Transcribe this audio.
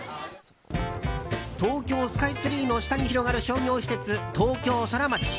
東京スカイツリーの下に広がる商業施設、東京ソラマチ。